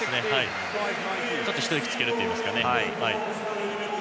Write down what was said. ちょっと一息つけるといいますか。